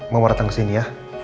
mau datang ke sini ya